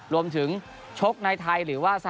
รวมถึงชกในไทยหรือว่าสหรัฐ